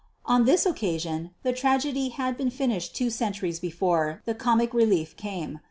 On this occasion the tragedy had been finished two centuries before the "comic relief" came.